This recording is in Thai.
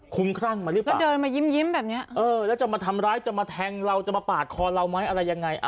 คุ้มครั่งมาหรือเปล่าเออแล้วจะมาทำร้ายจะมาแทงเราจะมาปากคอเราไหมอะไรยังไง